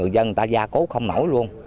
là gia cốt không nổi luôn